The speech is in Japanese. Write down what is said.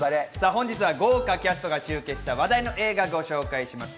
本日は豪華キャストが集結した話題の映画をご紹介します。